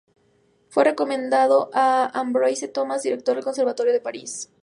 Fue recomendado a Ambroise Thomas, director del Conservatorio de París.